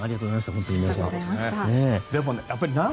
本当に皆さん。